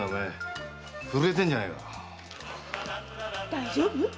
大丈夫？